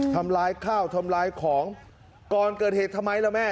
ทำร้ายข้าวทำลายของก่อนเกิดเหตุทำไมล่ะแม่